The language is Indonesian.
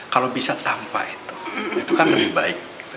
kalau bisa tanpa itu itu kan lebih baik